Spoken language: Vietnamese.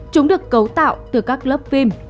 chúng được cấu tạo từ các lớp phim